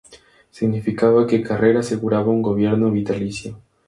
Significaba que Carrera aseguraba un gobierno vitalicio.